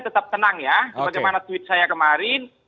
tetap tenang ya seperti mana tweet saya kemarin